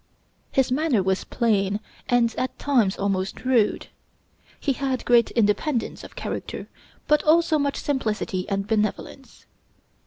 His manner was plain and at times almost rude; he had great independence of character, but also much simplicity and benevolence.